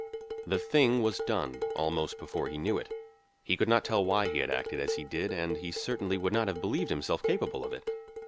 The thing was done almost before he knew it. He could not tell why he had acted as he did, and he certainly would not have believed himself capable of it.